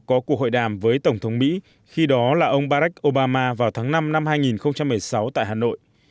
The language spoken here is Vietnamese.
có cuộc hội đàm với tổng thống mỹ khi đó là ông barack obama vào tháng năm năm hai nghìn một mươi sáu tại hà nội